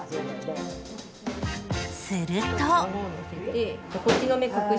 すると。